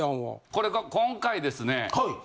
これが今回ですね